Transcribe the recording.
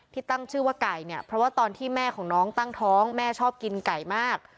ตั้งชื่อว่าไก่เนี่ยเพราะว่าตอนที่แม่ของน้องตั้งท้องแม่ชอบกินไก่มาก